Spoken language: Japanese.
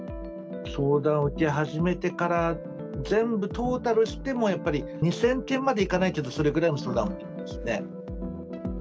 相談を受け始めてから、全部、トータルしても、やっぱり２０００件までいかないけど、それぐらいの相談ですね。